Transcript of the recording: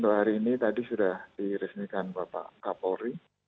untuk hari ini tadi sudah diresmikan bapak kapolri